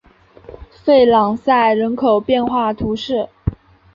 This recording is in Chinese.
弗朗赛人口变化图示